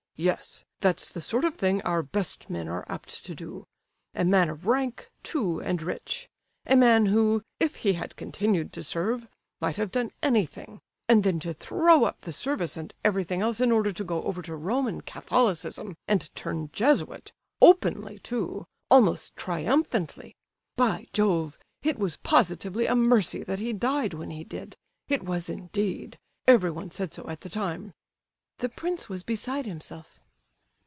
"Yes, that's the sort of thing our best men are apt to do. A man of rank, too, and rich—a man who, if he had continued to serve, might have done anything; and then to throw up the service and everything else in order to go over to Roman Catholicism and turn Jesuit—openly, too—almost triumphantly. By Jove! it was positively a mercy that he died when he did—it was indeed—everyone said so at the time." The prince was beside himself.